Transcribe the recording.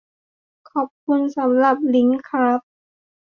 ขอบคุณสำหรับลิงก์ครับ